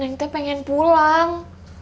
saya pengen pulang